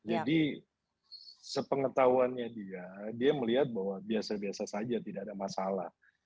jadi sepengetahuannya dia dia melihat bahwa biasa biasa saja tidak ada masalah